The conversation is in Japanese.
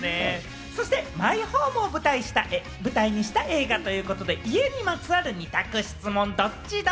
そしてマイホームを舞台にした映画ということで、家にまつわる二択質問ドッチ？